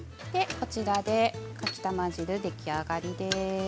こちらでかきたま汁出来上がりです。